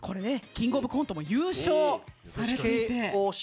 『キングオブコント』も優勝されていて。